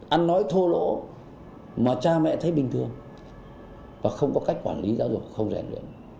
ăn nói thô lỗ mà cha mẹ thấy bình thường và không có cách quản lý giáo dục không rèn luyện